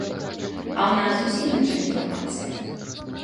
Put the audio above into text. А ў нас зусім іншая інфармацыя.